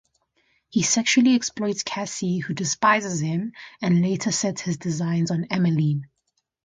He sexually exploits Cassy, who despises him, and later sets his designs on Emmeline.